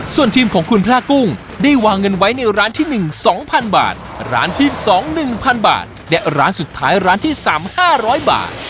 ส่วนทีมของคุณพระกุ้งได้วางเงินไว้ในร้านที่๑๒๐๐๐บาทร้านที่๒๑๐๐บาทและร้านสุดท้ายร้านที่๓๕๐๐บาท